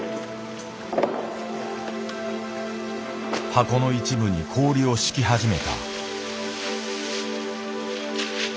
箱の一部に氷を敷き始めた。